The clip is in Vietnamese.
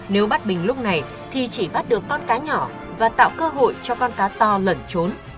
nếu bắt bình lúc này thì chỉ bắt được con cá nhỏ và tạo cơ hội cho con cá to lẩn trốn